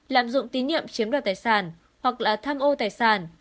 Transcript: lạm dụng tín nhiệm chiếm đoạt tài sản hoặc là tham ô tài sản